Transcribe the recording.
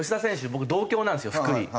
僕同郷なんですよ福井。